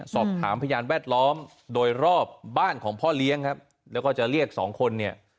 สอบถามพญานแวดล้อมโดยรอบบ้านของพ่อเลี้ยงเราก็จะเรียกสองคน